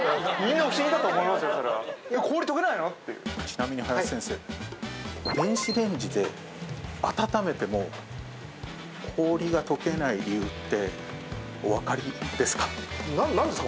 ちなみに林先生電子レンジで温めても氷が溶けない理由っておわかりですか？